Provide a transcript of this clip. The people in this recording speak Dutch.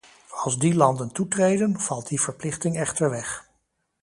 Als die landen toetreden, valt die verplichting echter weg.